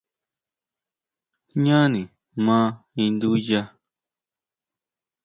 Jñáni ma induya.